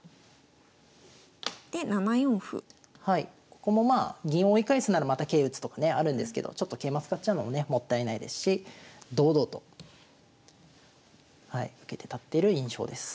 ここもまあ銀を追い返すならまた桂打つとかねあるんですけどちょっと桂馬使っちゃうのもねもったいないですし堂々とはい受けて立ってる印象です。